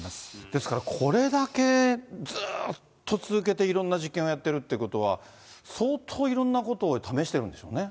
ですから、これだけずっと続けていて、いろんな実験をやっているということは、相当いろんなことを試してるんでしょうね。